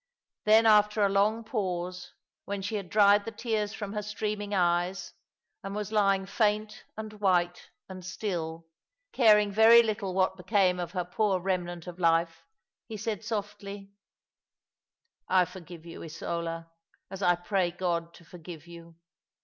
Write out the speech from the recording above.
Then, after a long panse, when she had dried the tears from her streaming eyes, and was lying faint, and white, and still, caring very little what became of her poor remnant of life, he said softly — "I| forgive yon, Isola, as I pray God to forgive yon.